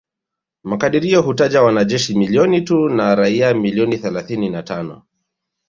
Makadirio hutaja wanajeshi milioni tu na raia milioni thelathini na tano